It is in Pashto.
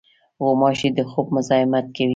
غوماشې د خوب مزاحمت کوي.